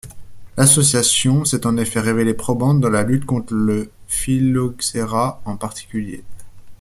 L'association s'est en effet révélée probante dans la lutte contre le phylloxéra en particulier.